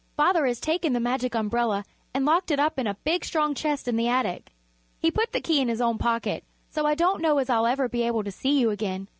Father has taken the Magic Umbrella and locked it up in a big strong chest in the attic. He put the key in his own pocket, so I don't know as I'll ever be able to see you again.